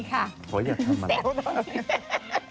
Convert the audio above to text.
หมาหมา